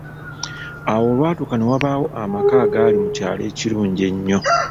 Awo olwatuka ne wabaawo amaka agaali mu kyalo ekirungi ennyo.